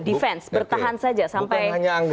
defense bertahan saja sampai